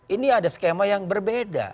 ini ada skema yang berbeda